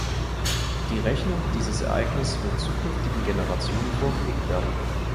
Die Rechnung für dieses Ereignis wird zukünftigen Generationen vorgelegt werden.